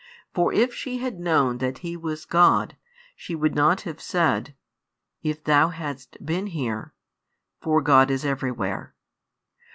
For if she had known that He was God, she would not have said: If Thou hadst been here; for God is everywhere.